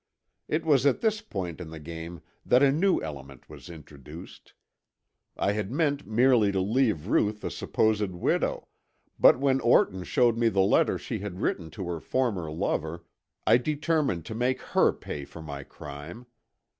"It was at this point in the game that a new element was introduced. I had meant merely to leave Ruth a supposed widow, but when Orton showed me the letter she had written to her former lover, I determined to make her pay for my crime.